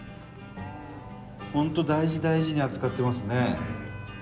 本当大事大事に扱ってますね。